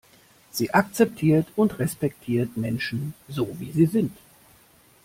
Sie akzeptiert und respektiert Menschen so, wie sie sind.